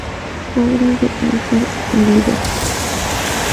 Obras de Alfred Gilbert